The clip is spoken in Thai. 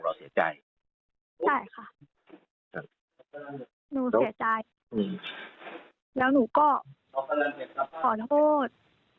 เสียใจใช่ค่ะหนูเสียใจอืมแล้วหนูก็ขอโทษ